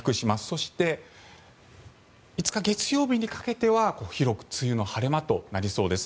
そして、５日、月曜日にかけては広く梅雨の晴れ間となりそうです。